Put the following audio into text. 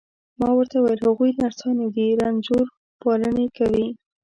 ما ورته وویل: هغوی نرسانې دي، رنځور پالني کوي.